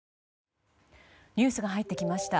ニュースが入ってきました。